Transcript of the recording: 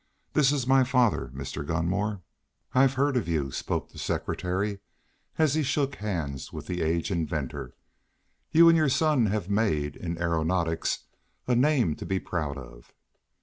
This is my father, Mr. Gunmore." "I've heard of you," spoke the secretary as he shook hands with the aged inventor. "You and your son have made, in aeronautics, a name to be proud of."